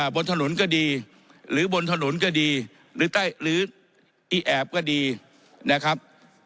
บนถนนก็ดีหรือบนถนนก็ดีหรืออีแอบก็ดีนะครับ